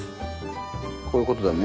こういうことだよね。